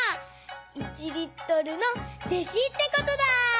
１リットルの弟子ってことだ！